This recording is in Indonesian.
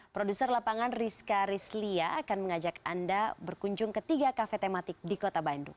produser lapangan rizka rizlia akan mengajak anda berkunjung ke tiga kafe tematik di kota bandung